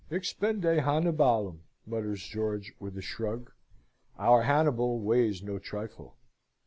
"Expende Hannibalem," mutters George, with a shrug. "Our Hannibal weighs no trifle."